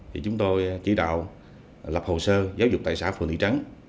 thì chúng tôi chỉ đạo lập hồ sơ giáo dục tại xã phường thị trắng